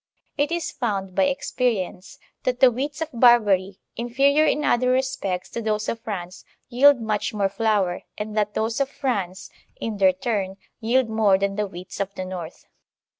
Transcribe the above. It is found by experience that the wheats of Barbary, infetior in other respects to those of France, yield much more flour, and that those of France, in their turn, yield more than the wheats of the north.